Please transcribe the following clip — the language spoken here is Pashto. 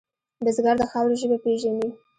بزګر د خاورې ژبه پېژني